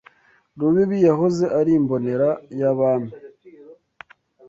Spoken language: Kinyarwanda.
Rubibi yahoze ari imbonera y’Abami